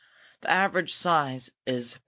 The average size is .